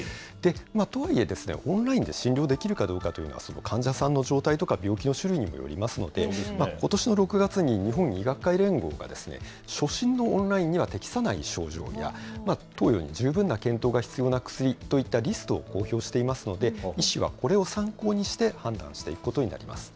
とはいえ、オンラインで診療できるかどうかというのは、患者さんの状態とか、病気の種類にもよりますので、ことしの６月に、日本医学会連合が、初診のオンラインには適さない症状や、投与に十分な検討が必要な薬というリストを公表していますので、医師はこれを参考にして、判断していくことになります。